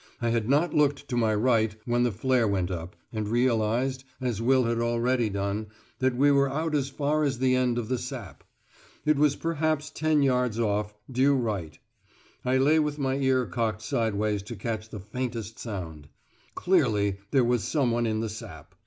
I had not looked to my right when the flare went up, and realised, as Will already had done, that we were out as far as the end of the sap. It was perhaps ten yards off, due right. I lay with my ear cocked sideways to catch the faintest sound. Clearly there was someone in the sap.